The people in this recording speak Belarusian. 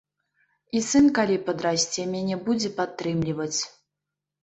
І сын, калі падрасце, мяне будзе падтрымліваць.